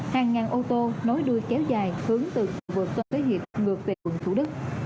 hàng ngàn ô tô nối đuôi kéo dài hướng từ vùng tân thế hiệp ngược về quận thủ đức